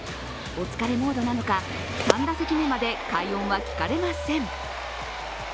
お疲れモードなのか３打席目まで快音は聞かれません。